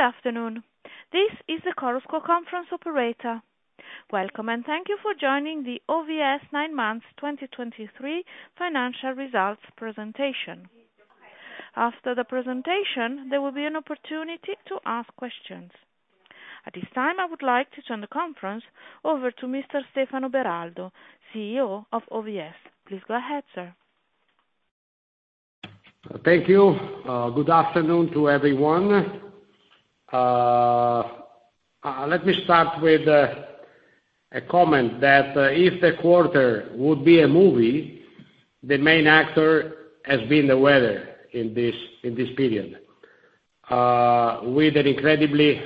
Good afternoon. This is the Chorus Call operator. Welcome, and thank you for joining the OVS nine months 2023 financial results presentation. After the presentation, there will be an opportunity to ask questions. At this time, I would like to turn the conference over to Mr. Stefano Beraldo, CEO of OVS. Please go ahead, sir. Thank you. Good afternoon to everyone. Let me start with a comment that if the quarter would be a movie, the main actor has been the weather in this period. With an incredibly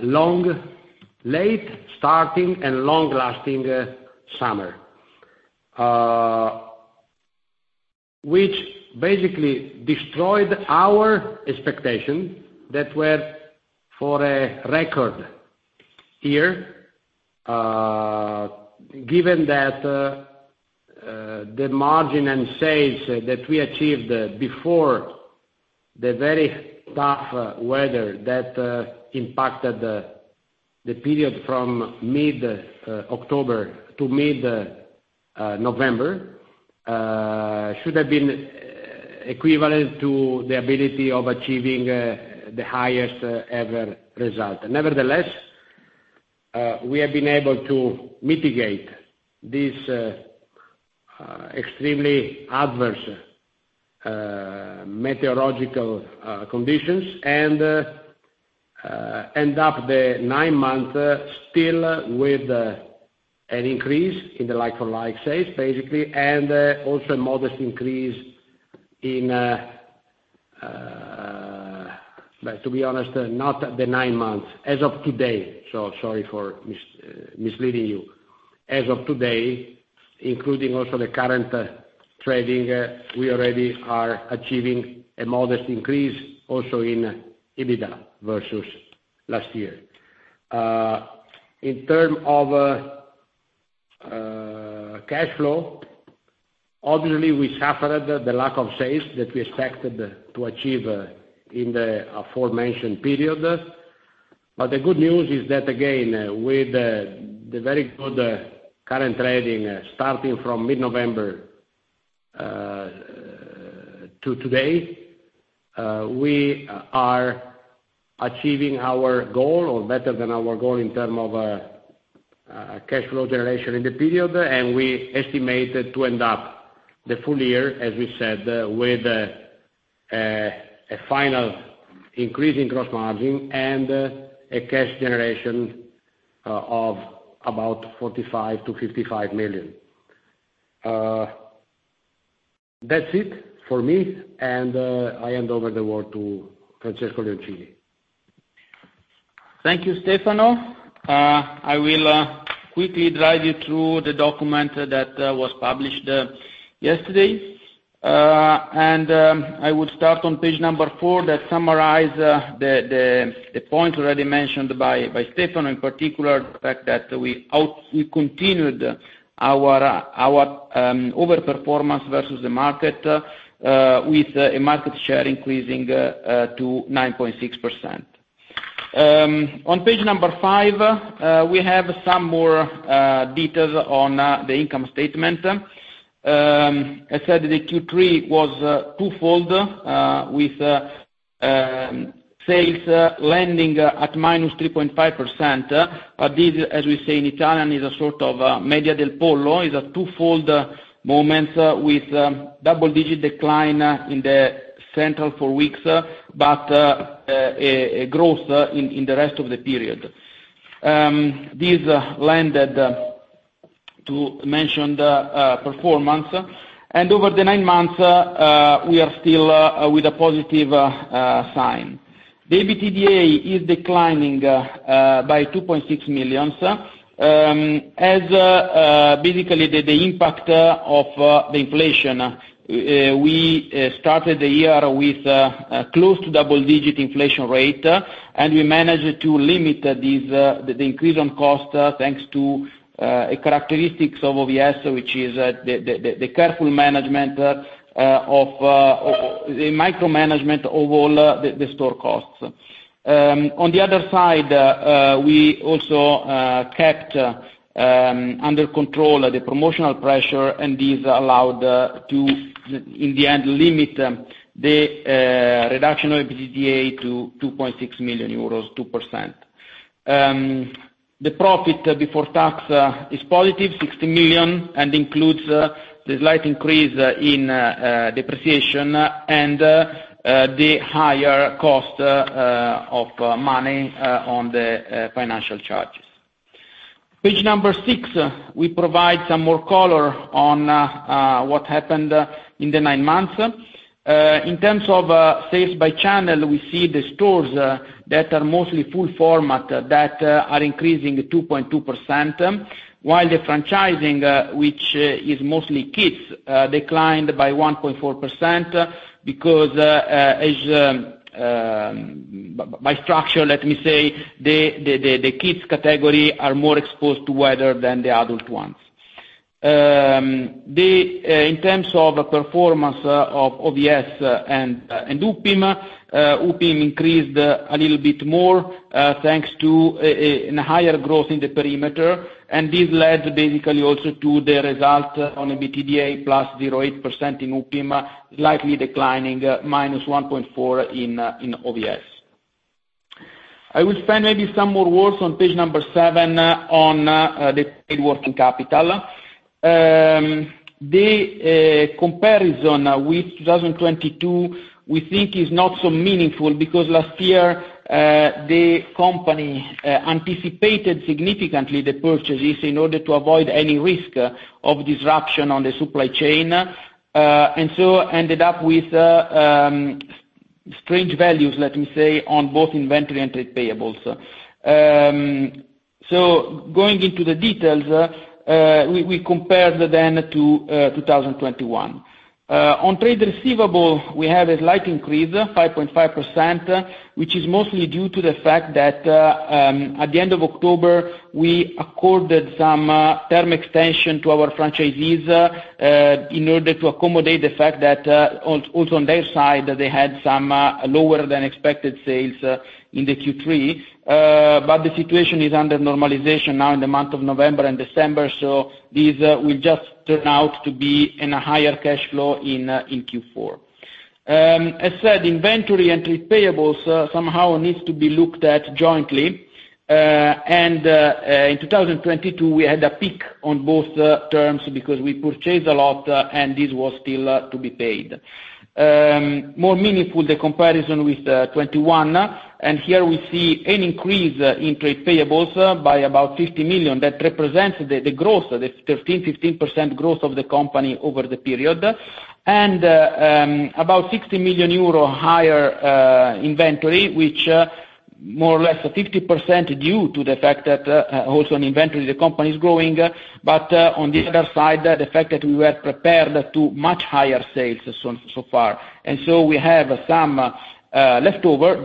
long, late starting and long-lasting summer, which basically destroyed our expectation that were for a record year. Given that, the margin and sales that we achieved before the very tough weather that impacted the period from mid October to mid November should have been equivalent to the ability of achieving the highest ever result. Nevertheless, we have been able to mitigate these extremely adverse meteorological conditions and end up the nine-month still with an increase in the like-for-like sales, basically, and also a modest increase in... But to be honest, not the nine months, as of today, so sorry for misleading you. As of today, including also the current trading, we already are achieving a modest increase also in EBITDA versus last year. In terms of cash flow, obviously, we suffered the lack of sales that we expected to achieve in the aforementioned period. But the good news is that, again, with the very good current trading starting from mid-November to today, we are achieving our goal, or better than our goal in terms of cash flow generation in the period. And we estimated to end up the full year, as we said, with a final increase in gross margin and a cash generation of about 45-55 million. That's it for me, and I hand over the word to Francesco Leoncini. Thank you, Stefano. I will quickly drive you through the document that was published yesterday. I would start on page 4, that summarize the points already mentioned by Stefano, in particular, the fact that we continued our overperformance versus the market with a market share increasing to 9.6%. On page 5, we have some more details on the income statement. I said that the Q3 was twofold, with sales landing at -3.5%. But this, as we say in Italian, is a sort of media del pollo, is a twofold moment with double-digit decline in the central four weeks, but a growth in the rest of the period. This landed to mention the performance. Over the nine months, we are still with a positive sign. The EBITDA is declining by 2.6 million, as basically the impact of the inflation. We started the year with close to double-digit inflation rate, and we managed to limit this, the increase on cost, thanks to a characteristics of OVS, which is the careful management of the micromanagement of all the store costs. On the other side, we also kept under control the promotional pressure, and this allowed to, in the end, limit the reduction of EBITDA to 2.6 million euros, 2%. The profit before tax is positive 60 million, and includes the slight increase in depreciation and the higher cost of money on the financial charges. Page number six, we provide some more color on what happened in the nine months. In terms of sales by channel, we see the stores that are mostly full format that are increasing 2.2%, while the franchising which is mostly kids declined by 1.4%, because by structure, let me say, the kids category are more exposed to weather than the adult ones. In terms of the performance of OVS and UPIM, UPIM increased a little bit more thanks to an higher growth in the perimeter, and this led basically also to the result on EBITDA +8% in UPIM, slightly declining -1.4% in OVS. I will spend maybe some more words on page number 7, on the working capital. The comparison with 2022, we think is not so meaningful, because last year, the company anticipated significantly the purchases in order to avoid any risk of disruption on the supply chain, and so ended up with strange values, let me say, on both inventory and trade payables. So going into the details, we compared then to 2021. On trade receivables, we have a slight increase, 5.5%, which is mostly due to the fact that, at the end of October, we accorded some term extension to our franchisees, in order to accommodate the fact that, also on their side, they had some lower than expected sales, in the Q3. But the situation is under normalization now in the month of November and December, so this will just turn out to be in a higher cash flow in Q4. As said, inventory and trade payables somehow needs to be looked at jointly. In 2022, we had a peak on both terms because we purchased a lot, and this was still to be paid. More meaningful, the comparison with 2021, and here we see an increase in trade payables by about 50 million. That represents the growth, the 15% growth of the company over the period. And about 60 million euro higher inventory, which more or less 50% due to the fact that also in inventory, the company is growing. But on the other side, the fact that we were prepared to much higher sales so far. And so we have some leftover,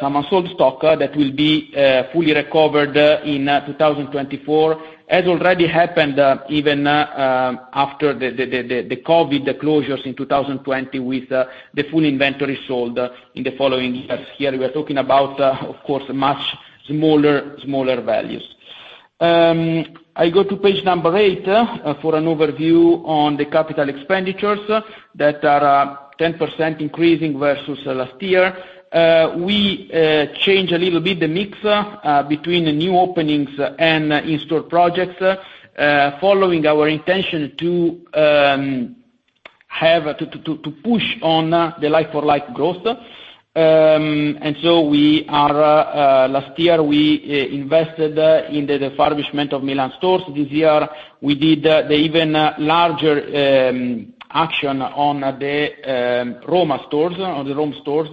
some unsold stock that will be fully recovered in 2024, as already happened even after the COVID closures in 2020 with the full inventory sold in the following years. Here, we are talking about, of course, much smaller, smaller values. I go to page number 8, for an overview on the capital expenditures, that are, 10% increasing versus, last year. We change a little bit the mix, between the new openings and in-store projects, following our intention to have to push on, the like-for-like growth. And so we are. Last year, we invested, in the refurbishment of Milan stores. This year, we did, the even larger, action on the, Roma stores, on the Rome stores,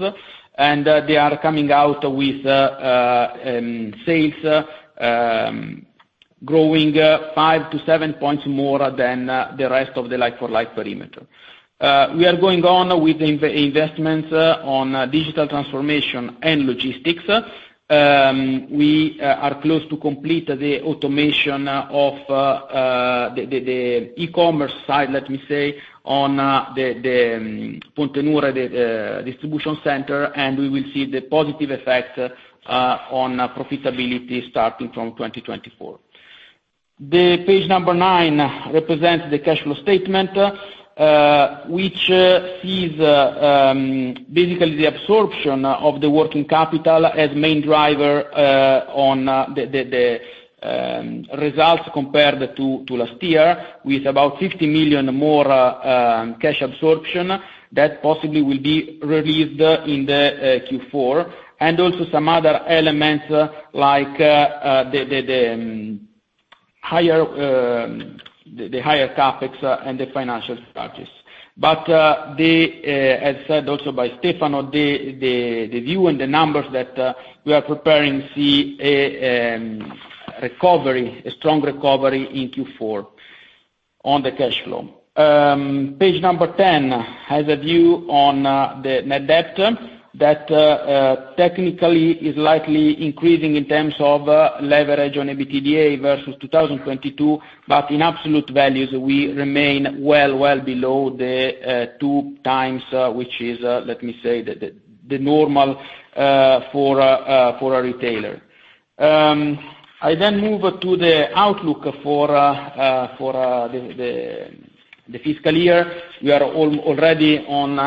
and, they are coming out with, sales, growing, 5-7 points more than, the rest of the like-for-like perimeter. We are going on with investments on digital transformation and logistics. We are close to complete the automation of the e-commerce side, let me say, on the Pordenone distribution center, and we will see the positive effect on profitability starting from 2024. The page number 9 represents the cash flow statement, which sees basically the absorption of the working capital as main driver on the results compared to last year, with about 50 million more cash absorption that possibly will be released in the Q4, and also some other elements like the higher CapEx and the financial structures. As said also by Stefano, the view and the numbers that we are preparing see a recovery, a strong recovery in Q4 on the cash flow. Page number 10 has a view on the net debt that technically is likely increasing in terms of leverage on EBITDA versus 2022, but in absolute values, we remain well, well below the 2x, which is, let me say, the normal for a retailer. I then move to the outlook for the fiscal year. We are already on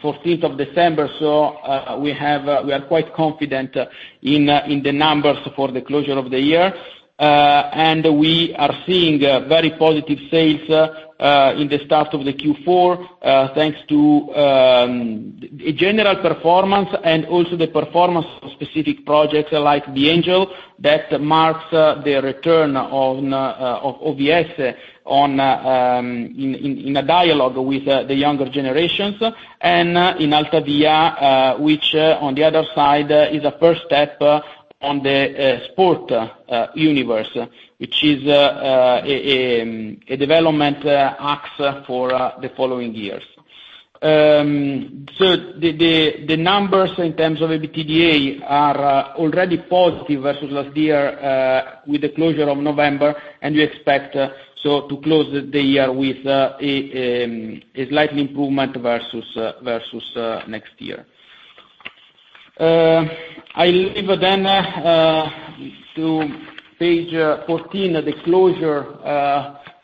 14th of December, so we are quite confident in the numbers for the closure of the year. And we are seeing very positive sales in the start of the Q4, thanks to a general performance and also the performance of specific projects like B. Angel, that marks the return of OVS in a dialogue with the younger generations, and in Alta Via, which on the other side is a first step on the sport universe, which is a development axe for the following years. So the numbers in terms of EBITDA are already positive versus last year with the closure of November, and we expect to close the year with a slight improvement versus next year. I leave then to page 14, the closure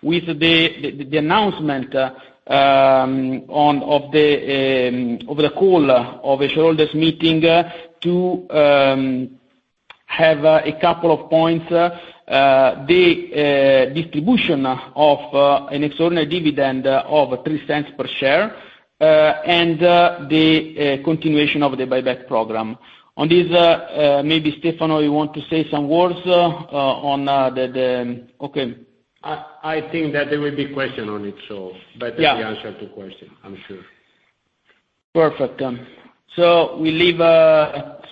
with the announcement of the call of the shareholders meeting to have a couple of points, the distribution of an extraordinary dividend of 0.03 per share, and the continuation of the buyback program. On this, maybe Stefano, you want to say some words on the... Okay. I think that there will be question on it, so- Yeah. Better to answer to question, I'm sure. Perfect. So we leave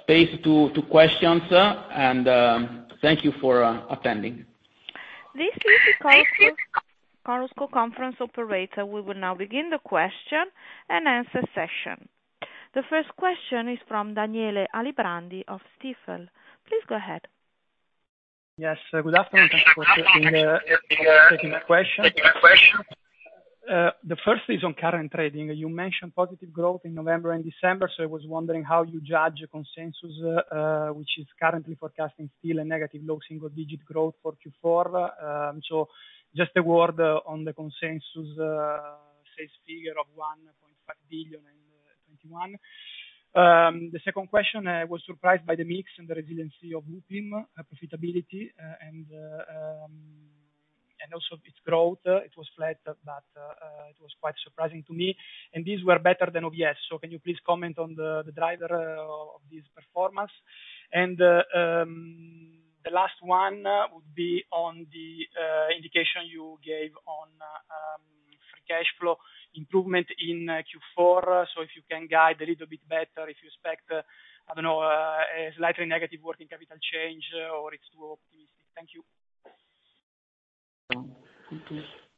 space to questions, and thank you for attending. This is the Chorus Call conference operator. We will now begin the question and answer session. The first question is from Daniele Alibrandi of Stifel. Please go ahead. Yes, good afternoon. Thank you for taking my question. The first is on current trading. You mentioned positive growth in November and December, so I was wondering how you judge the consensus, which is currently forecasting still a negative, low single-digit growth for Q4. So just a word on the consensus sales figure of 1.5 billion in 2021. The second question, I was surprised by the mix and the resiliency of UPIM profitability, and also its growth. It was flat, but it was quite surprising to me, and these were better than OVS. So can you please comment on the driver of this performance? And the last one would be on the indication you gave on free cash flow improvement in Q4. If you can guide a little bit better, if you expect, I don't know, a slightly negative working capital change or if it's to increase? Thank you.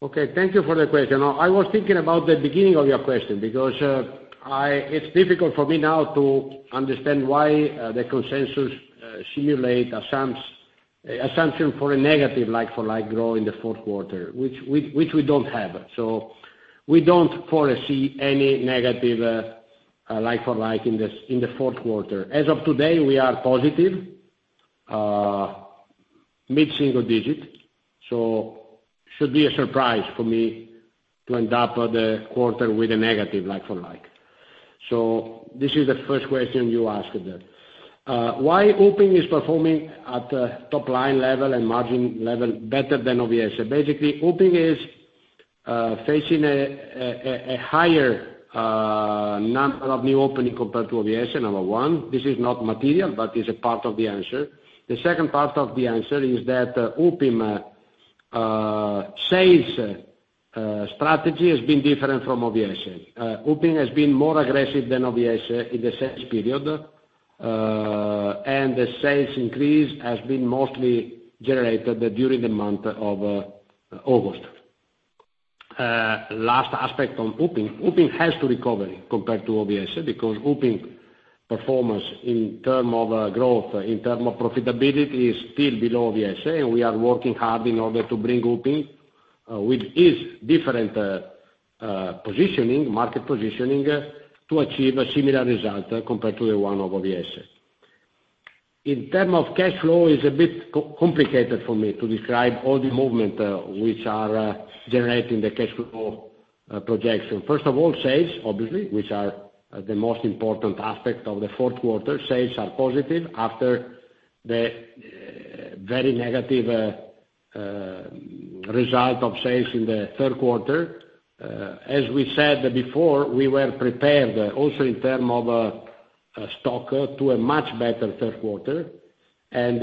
Okay, thank you for the question. I was thinking about the beginning of your question because it's difficult for me now to understand why the consensus simulated assumption for a negative like-for-like growth in the fourth quarter, which we don't have. So we don't foresee any negative like-for-like in the fourth quarter. As of today, we are positive mid-single digit, so should be a surprise for me to end up the quarter with a negative like-for-like. So this is the first question you asked there. Why UPIM is performing at a top line level and margin level better than OVS? Basically, UPIM is facing a higher number of new opening compared to OVS, number one. This is not material, but it's a part of the answer. The second part of the answer is that UPIM sales strategy has been different from OVS. UPIM has been more aggressive than OVS in the same period, and the sales increase has been mostly generated during the month of August. Last aspect on UPIM, UPIM has to recover compared to OVS, because UPIM performance in terms of growth, in terms of profitability, is still below OVS, and we are working hard in order to bring UPIM with its different positioning, market positioning, to achieve a similar result compared to the one of OVS. In terms of cash flow, it's a bit complicated for me to describe all the movement which are generating the cash flow projection. First of all, sales, obviously, which are the most important aspect of the fourth quarter. Sales are positive after the very negative result of sales in the third quarter. As we said before, we were prepared also in term of stock to a much better third quarter, and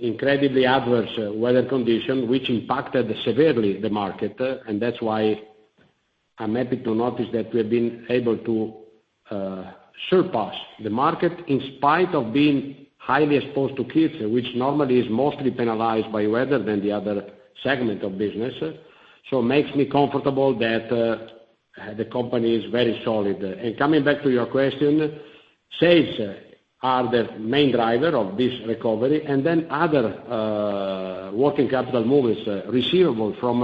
incredibly adverse weather condition, which impacted severely the market, and that's why I'm happy to notice that we have been able to surpass the market in spite of being highly exposed to kids, which normally is mostly penalized by weather than the other segment of business. So it makes me comfortable that the company is very solid. And coming back to your question, sales are the main driver of this recovery and then other working capital moves, receivable from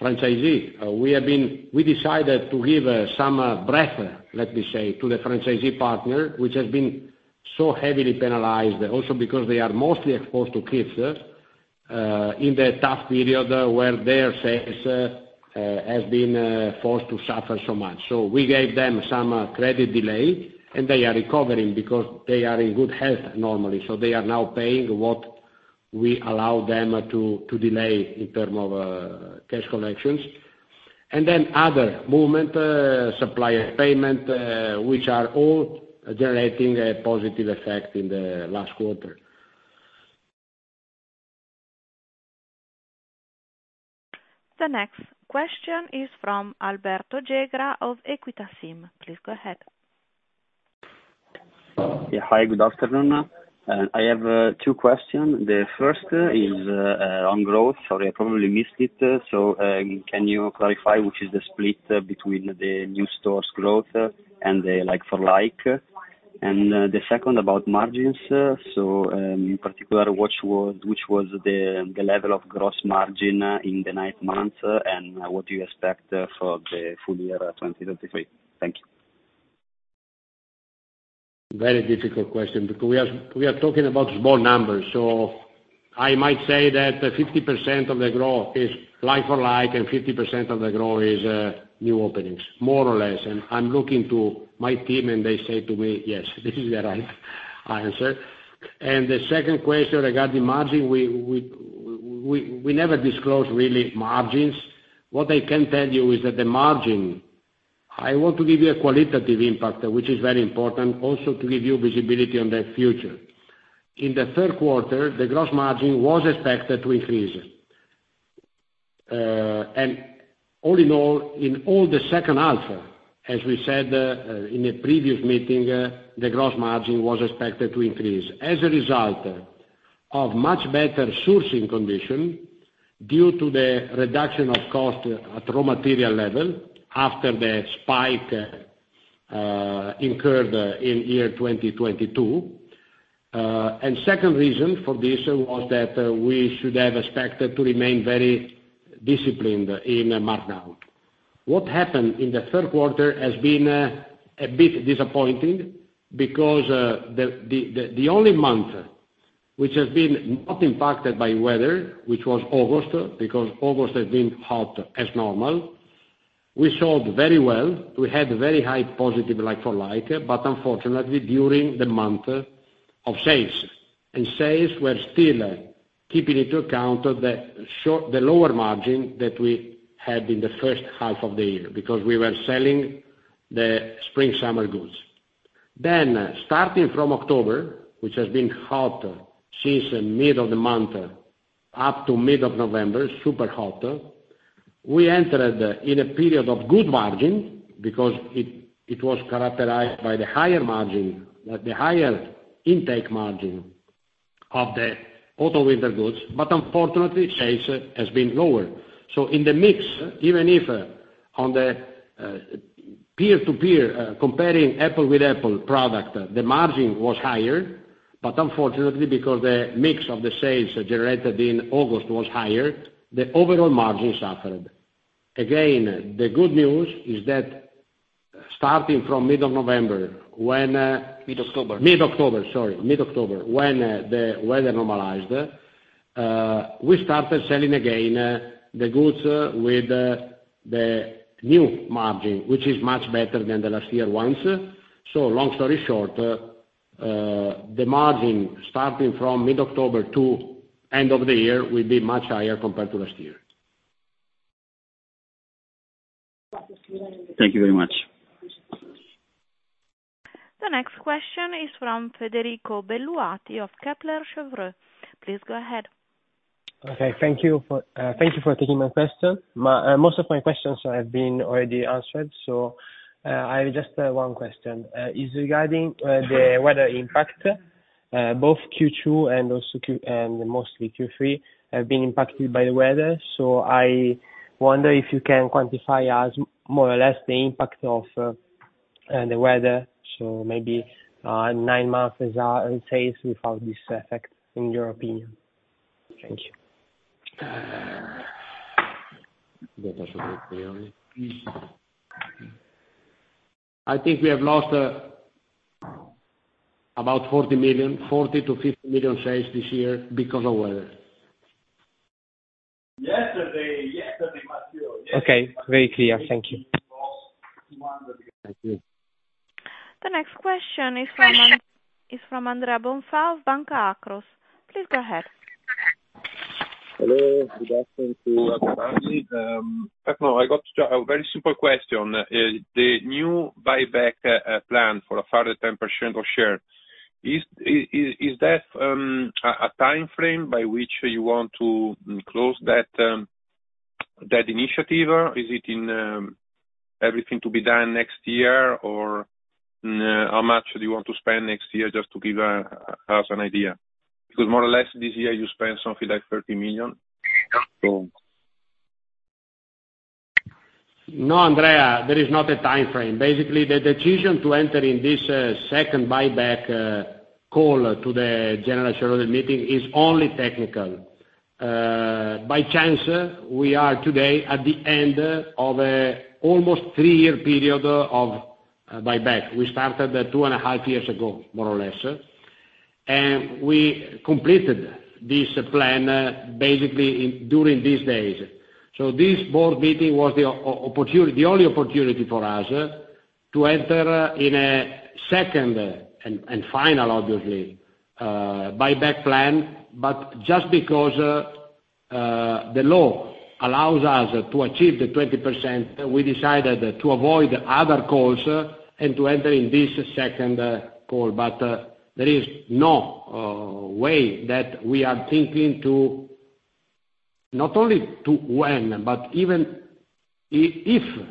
franchisee. We decided to give some breath, let me say, to the franchisee partner, which has been so heavily penalized, also because they are mostly exposed to kids, in the tough period where their sales has been forced to suffer so much. So we gave them some credit delay, and they are recovering because they are in good health normally, so they are now paying what we allow them to delay in term of cash collections. And then other movement supplier payment which are all generating a positive effect in the last quarter. The next question is from Alberto Gegra of Equita SIM. Please go ahead.... Yeah. Hi, good afternoon. I have two questions. The first is on growth. Sorry, I probably missed it, so can you clarify which is the split between the new stores growth and the like-for-like? And the second about margins, so in particular, which was the level of gross margin in the ninth month, and what do you expect for the full year, 2023? Thank you. Very difficult question because we are talking about small numbers, so I might say that 50% of the growth is like-for-like, and 50% of the growth is new openings, more or less. And I'm looking to my team, and they say to me, "Yes, this is the right answer." And the second question regarding margin, we never disclose really margins. What I can tell you is that the margin, I want to give you a qualitative impact, which is very important, also to give you visibility on the future. In the third quarter, the gross margin was expected to increase. And all in all, in all the second half, as we said, in the previous meeting, the gross margin was expected to increase as a result of much better sourcing condition due to the reduction of cost at raw material level after the spike, incurred in 2022. And second reason for this was that, we should have expected to remain very disciplined in markdown. What happened in the third quarter has been, a bit disappointing because, the only month which has been not impacted by weather, which was August, because August has been hot as normal, we sold very well. We had very high positive like-for-like, but unfortunately during the month of sales, and sales were still keeping into account the lower margin that we had in the first half of the year, because we were selling the spring/summer goods. Then, starting from October, which has been hot since the middle of the month up to mid of November, super hot, we entered in a period of good margin because it, it was characterized by the higher margin, the higher intake margin of the autumn/winter goods, but unfortunately, sales has been lower. So in the mix, even if on the, peer-to-peer, comparing apple with apple product, the margin was higher, but unfortunately, because the mix of the sales generated in August was higher, the overall margin suffered. Again, the good news is that starting from mid of November, when, Mid-October. Mid-October, sorry, mid-October, when the weather normalized, we started selling again the goods with the new margin, which is much better than the last year ones. So long story short, the margin starting from mid-October to end of the year will be much higher compared to last year. Thank you very much. The next question is from Federico Belluati of Kepler Cheuvreux. Please go ahead. Okay. Thank you for taking my question. My most of my questions have been already answered, so I have just one question. It's regarding the weather impact. Both Q2 and also Q- and mostly Q3 have been impacted by the weather, so I wonder if you can quantify as more or less the impact of the weather. So maybe nine months are in sales without this effect, in your opinion. Thank you. I think we have lost about 40 million, 40-50 million sales this year because of weather. Yesterday, yesterday, Matteo, yesterday. Okay, very clear. Thank you. Thank you. The next question is from Andrea Bonfa of Banca Akros. Please go ahead. Hello, good afternoon to everybody. I got a very simple question. The new buyback plan for a further 10% of share, is that a timeframe by which you want to close that initiative? Is everything to be done next year, or how much do you want to spend next year, just to give us an idea? Because more or less this year you spent something like 30 million, so... No, Andrea, there is not a timeframe. Basically, the decision to enter in this second buyback call to the general shareholder meeting is only technical. By chance, we are today at the end of an almost 3-year period of buyback. We started 2.5 years ago, more or less, and we completed this plan basically in during these days. So this board meeting was the opportunity, the only opportunity for us to enter in a second and final, obviously, buyback plan. But just because the law allows us to achieve the 20%, we decided to avoid other calls and to enter in this second call. But there is no way that we are thinking to not only to when, but even if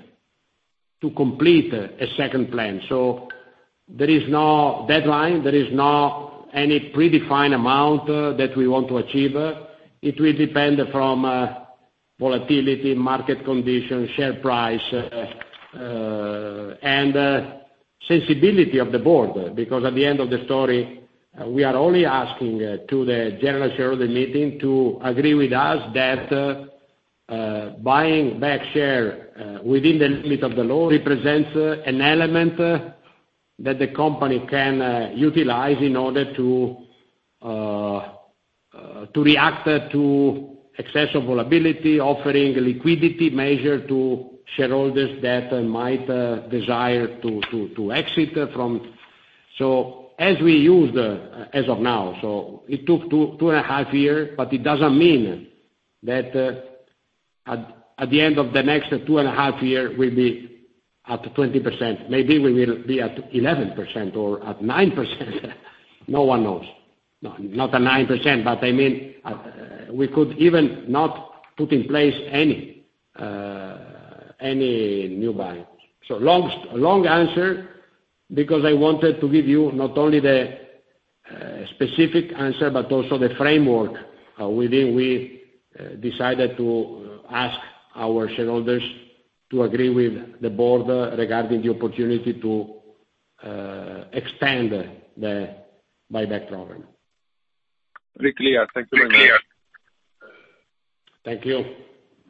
to complete a second plan. So there is no deadline, there is no any predefined amount, that we want to achieve. It will depend from, volatility, market conditions, share price, and, sensibility of the board. Because at the end of the story, we are only asking, to the general shareholder meeting to agree with us that, buying back share, within the limit of the law, represents, an element, that the company can, utilize in order to, to react to accessible ability, offering liquidity measure to shareholders that might, desire to exit from. So as we use, as of now, so it took 2, 2.5 year, but it doesn't mean that, at the end of the next 2.5 year, we'll be at 20%. Maybe we will be at 11% or at 9%. No one knows. No, not at 9%, but I mean, we could even not put in place any, any new buy. So long, long answer, because I wanted to give you not only the specific answer, but also the framework, within we decided to ask our shareholders to agree with the board regarding the opportunity to expand the buyback program. Very clear. Thank you very much. Thank you.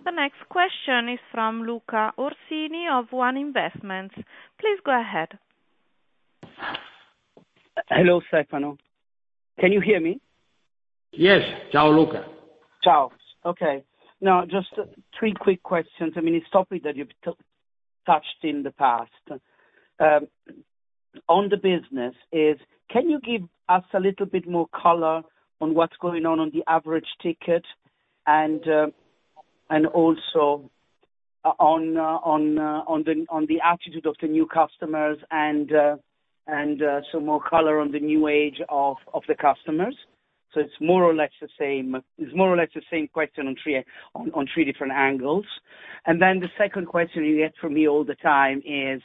The next question is from Luca Orsini of ONE Investments. Please go ahead. Hello, Stefano. Can you hear me? Yes. Ciao, Luca. Ciao. Okay, now just three quick questions. I mean, a topic that you've touched in the past. On the business is, can you give us a little bit more color on what's going on on the average ticket, and also on the attitude of the new customers, and some more color on the new age of the customers? So it's more or less the same, it's more or less the same question on three different angles. And then the second question you get from me all the time is: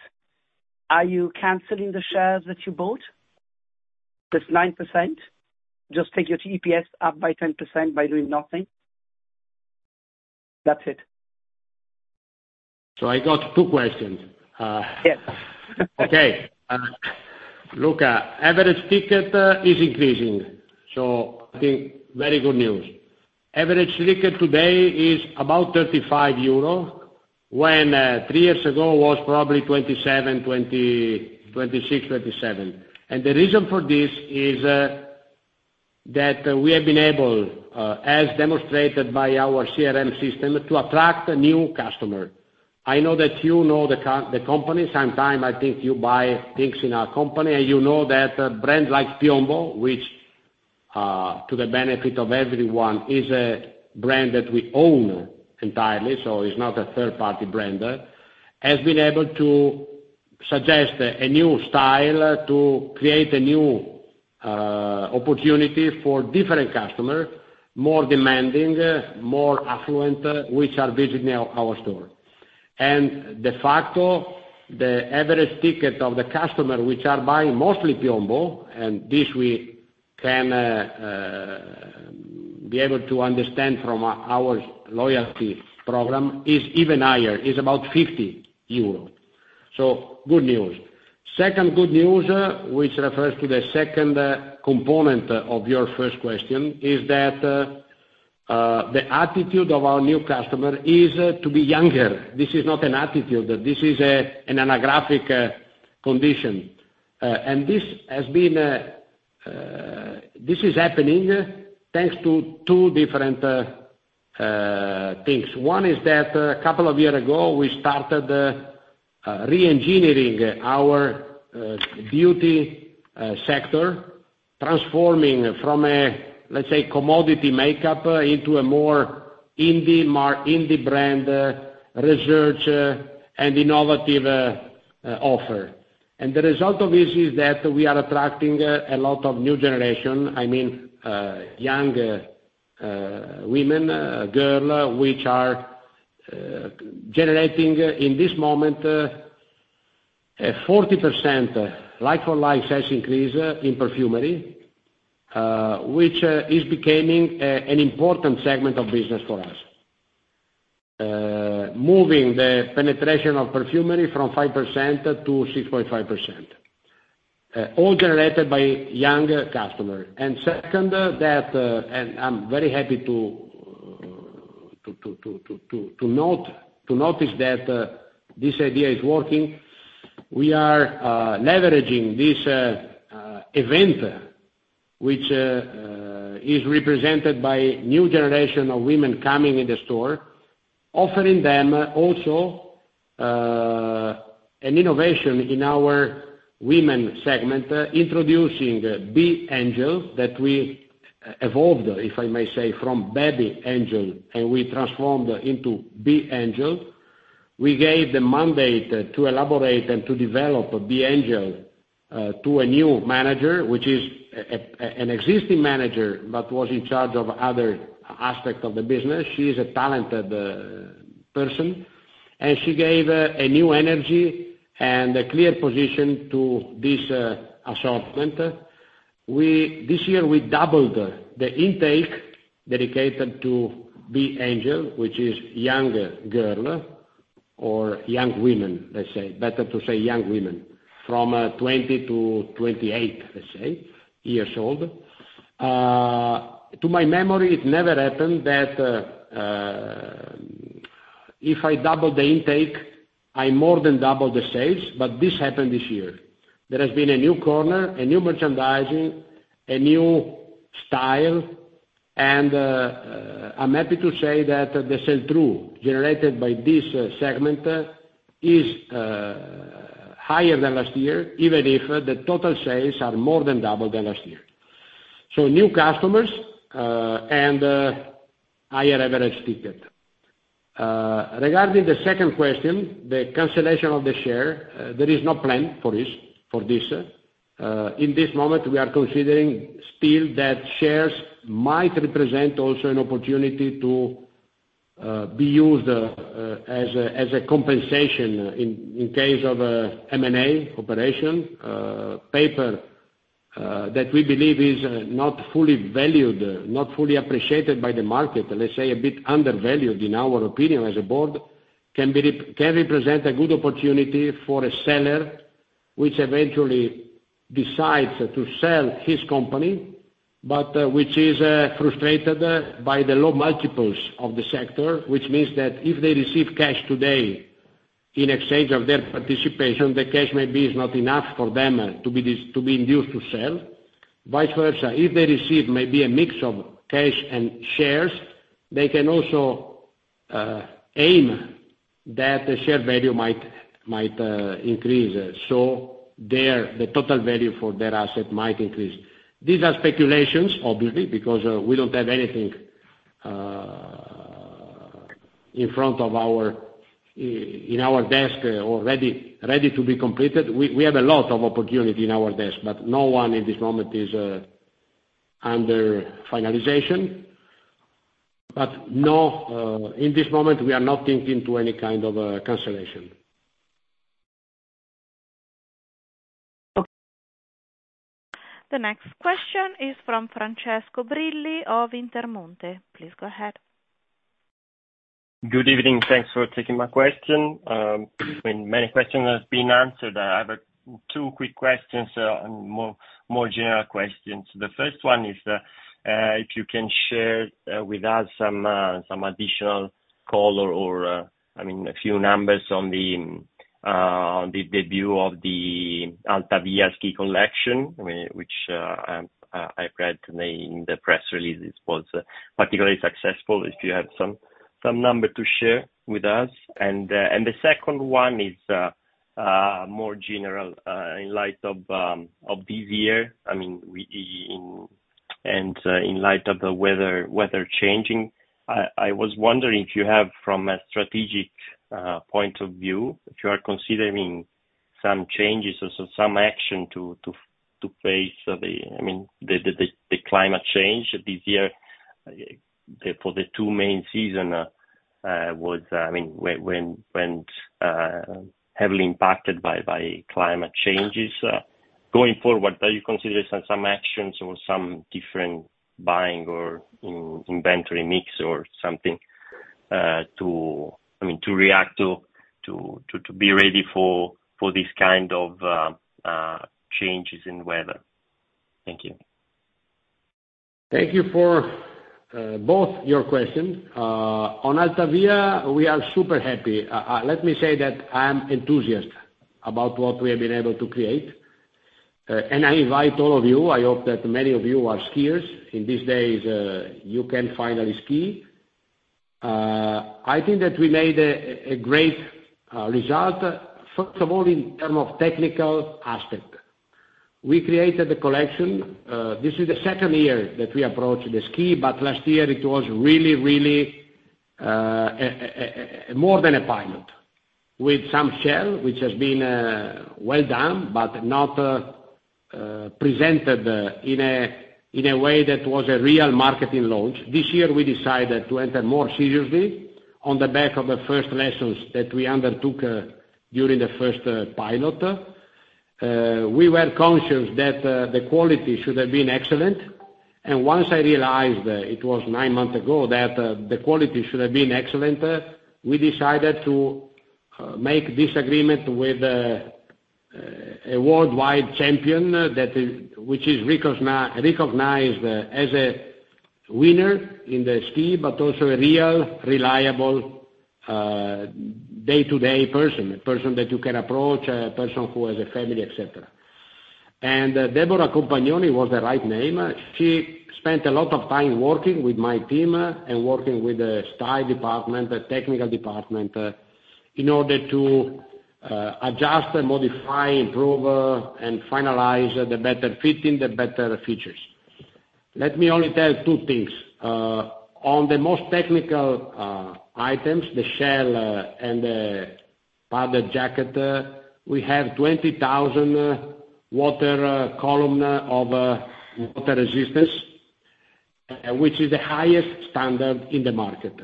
Are you canceling the shares that you bought? This 9%. Just take your EPS up by 10% by doing nothing. That's it. So I got two questions. Yes. Okay. Luca, average ticket is increasing, so I think very good news. Average ticket today is about 35 euro, when 3 years ago was probably 26-27 EUR. And the reason for this is that we have been able, as demonstrated by our CRM system, to attract new customer. I know that you know the company. Sometimes, I think you buy things in our company, and you know that a brand like Piombo, which to the benefit of everyone, is a brand that we own entirely, so it's not a third-party brand, has been able to suggest a new style to create a new opportunity for different customer, more demanding, more affluent, which are visiting our store. De facto, the average ticket of the customer, which are buying mostly Piombo, and this we can be able to understand from our loyalty program, is even higher, is about 50 euros. So good news. Second good news, which refers to the second component of your first question, is that the attitude of our new customer is to be younger. This is not an attitude, but this is an anagraphic condition. And this is happening thanks to two different things. One is that a couple of years ago, we started re-engineering our beauty sector, transforming from a, let's say, commodity makeup into a more indie brand research and innovative offer. And the result of this is that we are attracting a lot of new generation, I mean, young women girl, which are generating in this moment a 40% like-for-like sales increase in perfumery, which is becoming an important segment of business for us. Moving the penetration of perfumery from 5% to 6.5%, all generated by young customer. And second, and I'm very happy to notice that this idea is working. We are leveraging this event, which is represented by new generation of women coming in the store, offering them also an innovation in our women segment, introducing B.Angel, that we evolved, if I may say, from Baby Angel, and we transformed into B.Angel... We gave the mandate to elaborate and to develop B.Angel to a new manager, which is an existing manager, but was in charge of other aspects of the business. She is a talented person, and she gave a new energy and a clear position to this assortment. This year, we doubled the intake dedicated to B.Angel, which is younger girl or young women, let's say, better to say young women from 20-28, let's say, years old. To my memory, it never happened that if I double the intake, I more than double the sales, but this happened this year. There has been a new corner, a new merchandising, a new style, and I'm happy to say that the sell through generated by this segment is higher than last year, even if the total sales are more than double than last year. So new customers and higher average ticket. Regarding the second question, the cancellation of the share, there is no plan for this, for this. In this moment, we are considering still that shares might represent also an opportunity to be used as a compensation in case of a M&A operation, paper that we believe is not fully valued, not fully appreciated by the market, let's say, a bit undervalued, in our opinion, as a board, can represent a good opportunity for a seller, which eventually decides to sell his company, but which is frustrated by the low multiples of the sector, which means that if they receive cash today in exchange of their participation, the cash maybe is not enough for them to be induced to sell. Vice versa, if they receive maybe a mix of cash and shares, they can also aim that the share value might increase. So there, the total value for their asset might increase. These are speculations, obviously, because we don't have anything in front of our desk or ready to be completed. We have a lot of opportunity in our desk, but no one in this moment is under finalization. But no, in this moment, we are not thinking to any kind of cancellation. The next question is from Francesco Brilli of Intermonte. Please go ahead. Good evening. Thanks for taking my question. I mean, many question has been answered. I have, two quick questions, and more, more general questions. The first one is, if you can share, with us some, some additional color or, I mean, a few numbers on the, on the debut of the Alta Via ski collection, I mean, which, I've read in the, in the press release, this was, particularly successful, if you have some, some number to share with us. And the second one is more general, in light of this year, I mean, in light of the weather changing, I was wondering if you have, from a strategic point of view, if you are considering some changes or some action to face the, I mean, the climate change this year, for the two main season was, I mean, when heavily impacted by climate changes. Going forward, are you considering some actions or some different buying or inventory mix or something, to react to, to be ready for this kind of changes in weather? Thank you. Thank you for both your questions. On Alta Via, we are super happy. Let me say that I am enthusiastic about what we have been able to create, and I invite all of you. I hope that many of you are skiers. In these days, you can finally ski. I think that we made a great result, first of all, in terms of technical aspect. We created the collection. This is the second year that we approached the ski, but last year it was really more than a pilot with some share, which has been well done, but not presented in a way that was a real marketing launch. This year, we decided to enter more seriously on the back of the first lessons that we undertook during the first pilot. We were conscious that the quality should have been excellent, and once I realized, it was nine months ago, that the quality should have been excellent, we decided to make this agreement with a worldwide champion that is, which is recognized as a winner in skiing, but also a real reliable day-to-day person, a person that you can approach, a person who has a family, et cetera. Deborah Compagnoni was the right name. She spent a lot of time working with my team and working with the style department, the technical department, in order to adjust and modify, improve, and finalize the better fitting, the better features. Let me only tell two things. On the most technical items, the shell and the padded jacket, we have 20,000 water column of water resistance, which is the highest standard in the market.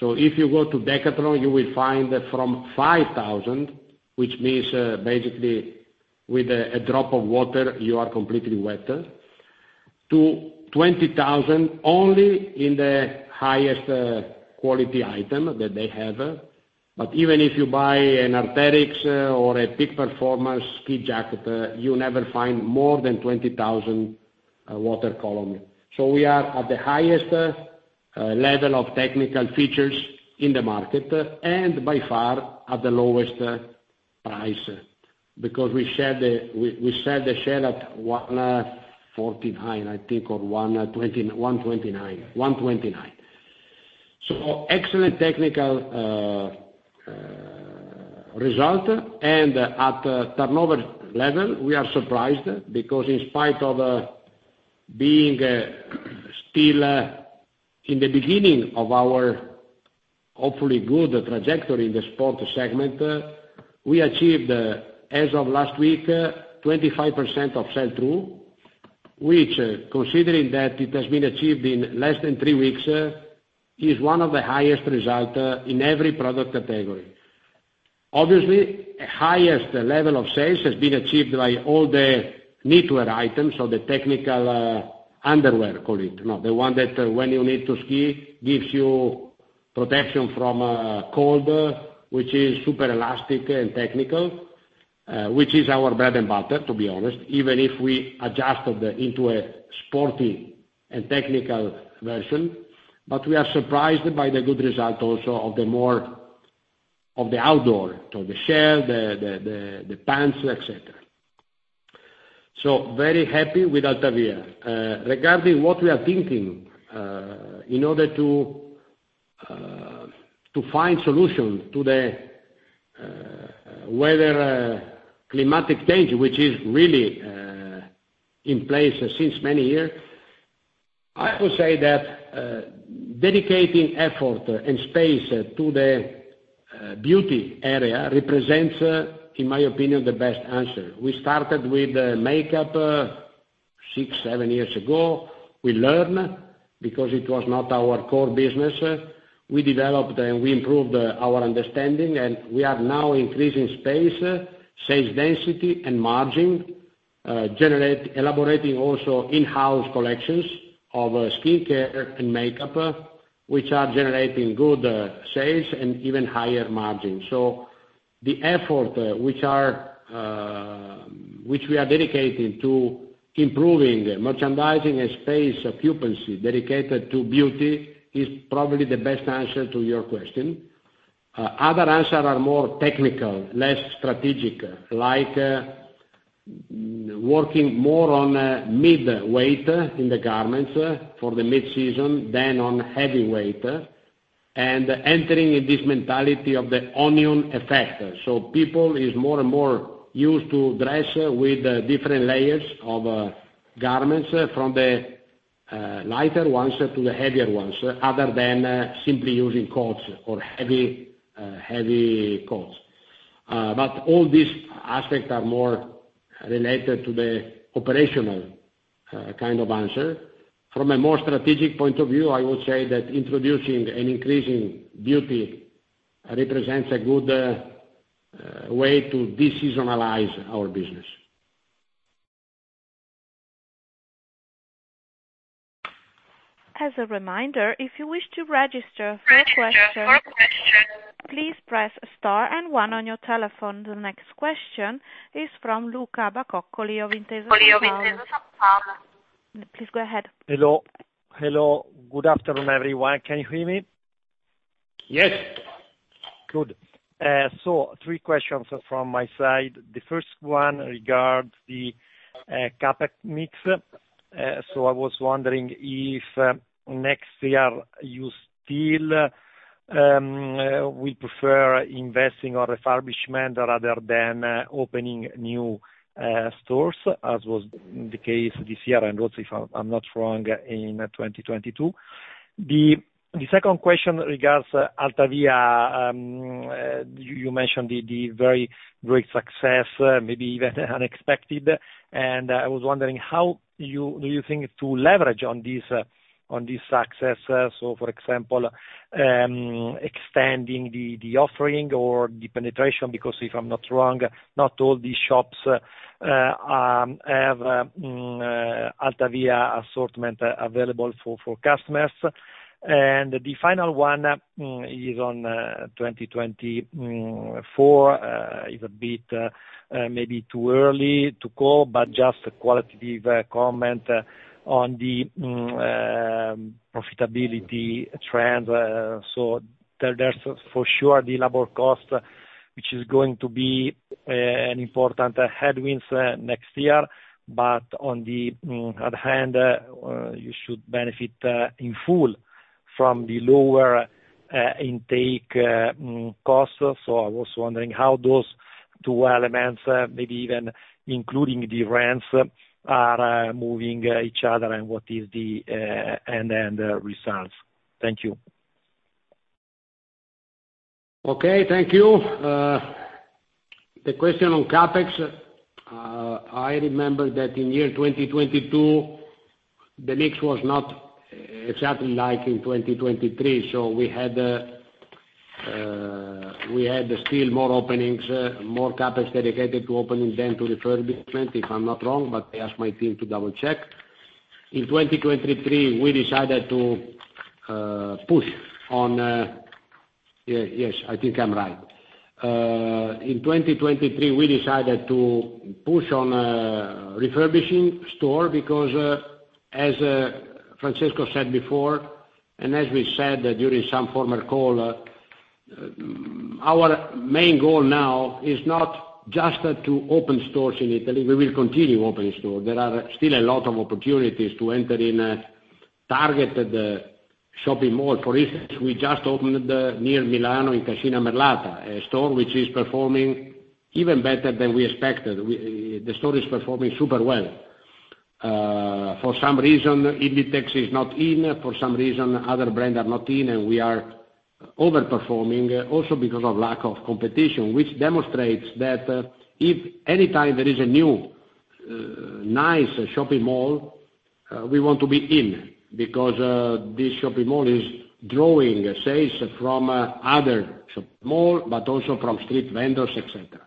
So if you go to Decathlon, you will find that from 5,000, which means basically, with a drop of water, you are completely wet, to 20,000 only in the highest quality item that they have. But even if you buy an Arc'teryx or a Peak Performance ski jacket, you never find more than 20,000 water column. So we are at the highest level of technical features in the market and by far at the lowest price, because we sell the, we sell the shell at 149, I think, or one twenty-nine. One twenty-nine. Excellent technical result. At turnover level, we are surprised because in spite of being still in the beginning of our hopefully good trajectory in the sport segment, we achieved, as of last week, 25% sell through, which, considering that it has been achieved in less than three weeks, is one of the highest result in every product category. Obviously, highest level of sales has been achieved by all the knitwear items or the technical underwear, call it, you know, the one that, when you need to ski, gives you protection from cold, which is super elastic and technical, which is our bread and butter, to be honest, even if we adjusted the into a sporty and technical version. But we are surprised by the good result also of the more of the outdoor, so the shell, the pants, et cetera. So very happy with Alta Via. Regarding what we are thinking, in order to find solution to the weather climatic change, which is really in place since many years, I will say that dedicating effort and space to the beauty area represents, in my opinion, the best answer. We started with makeup 6-7 years ago. We learn because it was not our core business. We developed and we improved our understanding, and we are now increasing space, sales density, and margin, generating elaborating also in-house collections of skincare and makeup, which are generating good sales and even higher margin. So the effort, which we are dedicating to improving merchandising and space occupancy dedicated to beauty, is probably the best answer to your question. Other answer are more technical, less strategic, like, working more on mid-weight in the garments, for the mid-season than on heavyweight, and entering in this mentality of the onion effect. So people is more and more used to dress, with different layers of garments, from the lighter ones to the heavier ones, other than simply using coats or heavy coats. But all these aspects are more related to the operational kind of answer. From a more strategic point of view, I would say that introducing and increasing beauty represents a good way to deseasonalize our business. As a reminder, if you wish to register for a question, please press star and one on your telephone. The next question is from Luca Bacoccoli of Intesa Sanpaolo. Please go ahead. Hello. Hello, good afternoon, everyone. Can you hear me? Yes. Good. So three questions from my side. The first one regards the CapEx mix. So I was wondering if next year you still will prefer investing on refurbishment rather than opening new stores, as was the case this year and also, if I'm not wrong, in 2022. The second question regards Alta Via. You mentioned the very great success, maybe even unexpected. And I was wondering how do you think to leverage on this success? So for example, extending the offering or the penetration, because if I'm not wrong, not all these shops have Alta Via assortment available for customers. And the final one is on 2024. It's a bit, maybe too early to call, but just a qualitative comment on the profitability trend. So there, there's for sure the labor cost, which is going to be an important headwinds next year, but on the other hand, you should benefit in full-... from the lower intake costs. So I was wondering how those two elements, maybe even including the rents, are moving each other, and what is the end-end results? Thank you. Okay, thank you. The question on CapEx, I remember that in year 2022, the mix was not exactly like in 2023, so we had, we had still more openings, more CapEx dedicated to opening than to refurbishment, if I'm not wrong, but I ask my team to double-check. In 2023, we decided to push on... Yeah, yes, I think I'm right. In 2023, we decided to push on refurbishing store because, as Francesco said before, and as we said during some former call, our main goal now is not just to open stores in Italy. We will continue opening store. There are still a lot of opportunities to enter in a targeted shopping mall. For instance, we just opened, near Milan in Cascina Merlata, a store which is performing even better than we expected. We, the store is performing super well. For some reason, Inditex is not in, for some reason, other brand are not in, and we are overperforming, also because of lack of competition, which demonstrates that, if any time there is a new, nice shopping mall, we want to be in, because, this shopping mall is drawing sales from, other small, but also from street vendors, et cetera.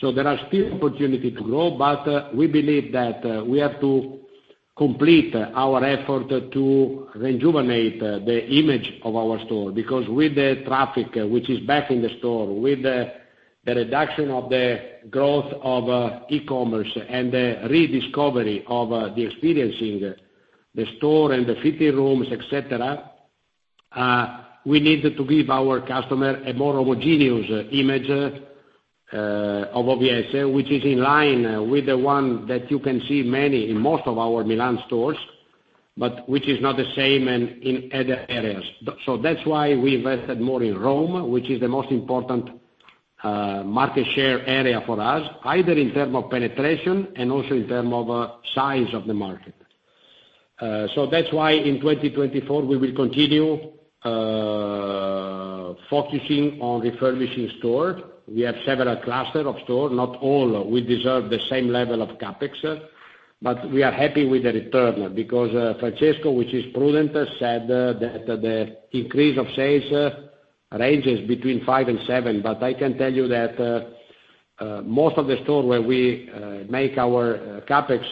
So there are still opportunities to grow, but we believe that we have to complete our effort to rejuvenate the image of our stores, because with the traffic which is back in the stores, with the reduction of the growth of e-commerce and the rediscovery of experiencing the store and the fitting rooms, et cetera, we need to give our customers a more homogeneous image of OVS, which is in line with the one that you can see in most of our Milan stores, but which is not the same in other areas. So that's why we invested more in Rome, which is the most important market share area for us, either in terms of penetration and also in terms of size of the market. So that's why in 2024, we will continue focusing on refurbishing stores. We have several clusters of stores, not all will deserve the same level of CapEx, but we are happy with the return because Francesco, which is prudent, said that the increase of sales ranges between 5%-7%, but I can tell you that most of the stores where we make our CapEx,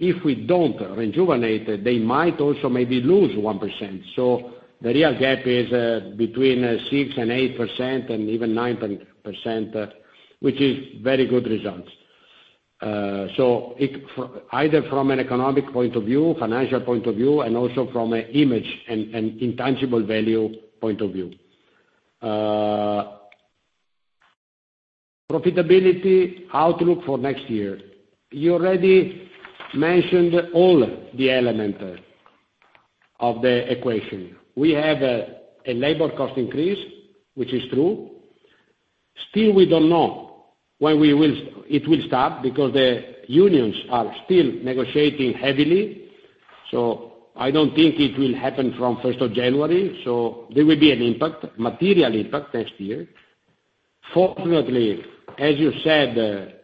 if we don't rejuvenate, they might also maybe lose 1%. So the real gap is between 6%-8% and even 9%, which is very good results. So it either from an economic point of view, financial point of view, and also from an image and intangible value point of view. Profitability outlook for next year. You already mentioned all the elements of the equation. We have a labor cost increase, which is true. Still, we don't know when it will start, because the unions are still negotiating heavily, so I don't think it will happen from first of January, so there will be an impact, material impact next year. Fortunately, as you said,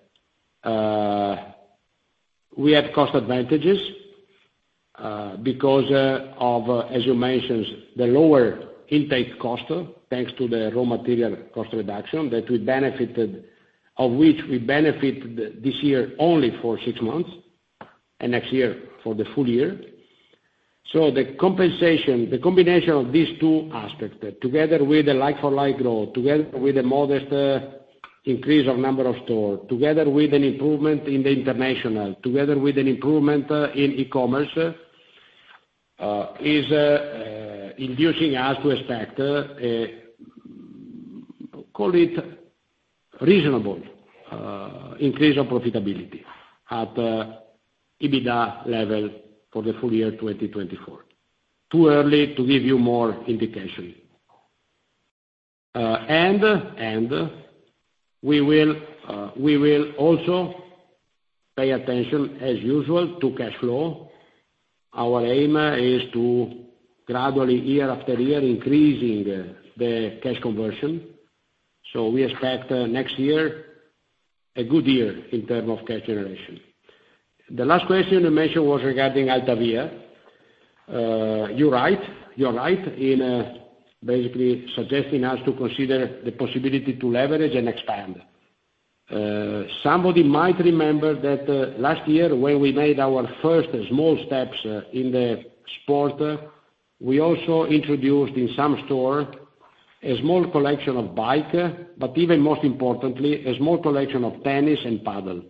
we have cost advantages, because of, as you mentioned, the lower intake cost, thanks to the raw material cost reduction, that we benefited... of which we benefit this year only for six months, and next year for the full year. So the compensation, the combination of these two aspects, together with the like-for-like growth, together with the modest increase of number of store, together with an improvement in the international, together with an improvement in e-commerce, is inducing us to expect, call it reasonable increase of profitability at EBITDA level for the full year 2024. Too early to give you more indication. We will also pay attention, as usual, to cash flow. Our aim is to gradually, year after year, increasing the cash conversion, so we expect next year a good year in term of cash generation. The last question you mentioned was regarding Alta Via. You're right, you're right in basically suggesting us to consider the possibility to leverage and expand. Somebody might remember that last year, when we made our first small steps in the sport, we also introduced in some store a small collection of bike, but even most importantly, a small collection of tennis and paddle.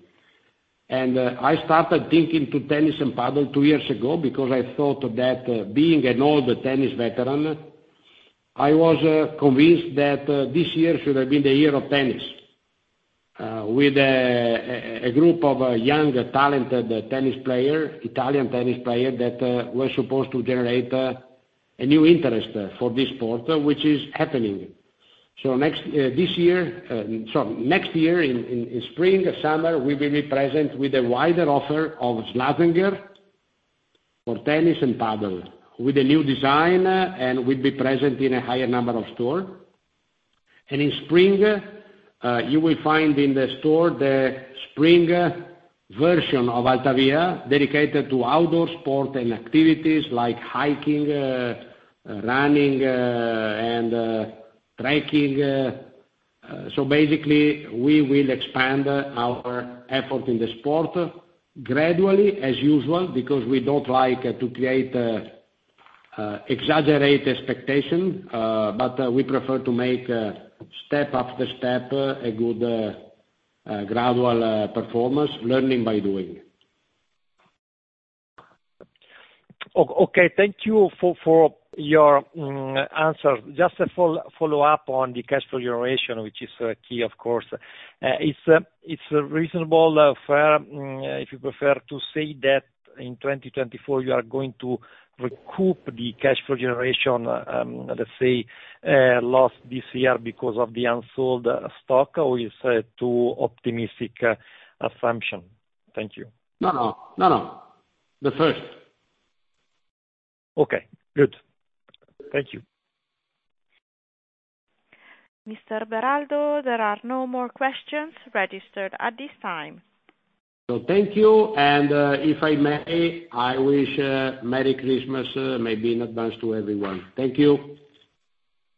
And I started thinking to tennis and paddle two years ago because I thought that, being an old tennis veteran, I was convinced that this year should have been the year of tennis with a group of young, talented tennis player, Italian tennis player, that was supposed to generate a new interest for this sport, which is happening. So next year, in spring or summer, we will be present with a wider offer of Slazenger for tennis and paddle, with a new design, and we'll be present in a higher number of store. And in spring, you will find in the store, the spring version of Alta Via, dedicated to outdoor sport and activities like hiking, running, and trekking. So basically, we will expand our effort in the sport gradually, as usual, because we don't like to create exaggerated expectation, but we prefer to make step after step, a good gradual performance, learning by doing. Okay. Thank you for your answer. Just a follow-up on the cash flow generation, which is key, of course. It's reasonable, fair, if you prefer to say that in 2024 you are going to recoup the cash flow generation, let's say, lost this year because of the unsold stock? Or is too optimistic assumption? Thank you. No, no. No, no, the first. Okay, good. Thank you. Mr. Beraldo, there are no more questions registered at this time. Thank you, and if I may, I wish Merry Christmas, maybe in advance to everyone. Thank you!